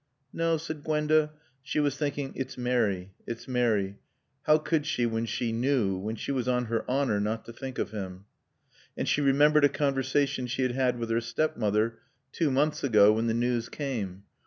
"No," said Gwenda. She was thinking, "It's Mary. It's Mary. How could she, when she knew, when she was on her honor not to think of him?" And she remembered a conversation she had had with her stepmother two months ago, when the news came.